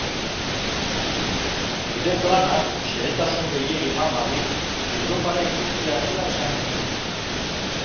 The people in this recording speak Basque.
Nire plana, xehetasun gehiegi eman barik, Europara itzultzea zela esan nion.